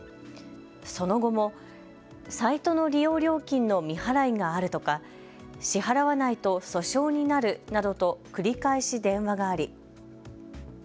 その後もサイトの利用料金の未払いがあるとか、支払わないと訴訟になるなどと繰り返し電話があり。